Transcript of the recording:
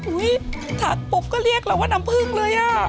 อุ๊ยถาดผมก็เรียกเหลือว่าน้ำผึ้งเลย